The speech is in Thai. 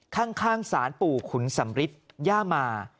ข้างศาลปู่ขุนสำริทย่ามา